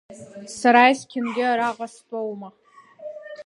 Сара есқьынгьы араҟа стәоума.